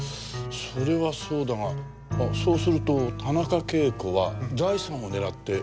それはそうだがそうすると田中啓子は財産を狙って夫を殺したと？